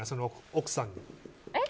奥さんに。